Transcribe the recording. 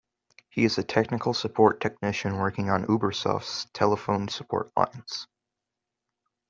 He is a technical-support technician working on Ubersoft's telephone support lines.